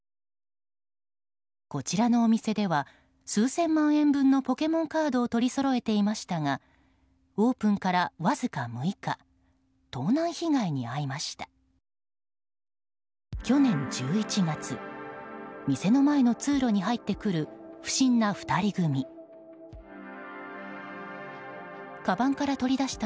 こちらのお店では数千万円分のポケモンカードを取りそろえていましたがオープンからわずか６日盗難被害に遭いました。